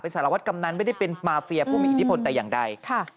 สารวัตรกำนันไม่ได้เป็นมาเฟียผู้มีอิทธิพลแต่อย่างใด